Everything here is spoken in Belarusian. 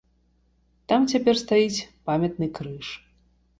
Там цяпер стаіць памятны крыж.